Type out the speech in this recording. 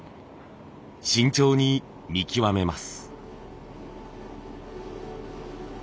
慎重に見極めます。